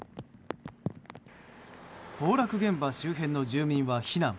崩落現場周辺の住民は避難。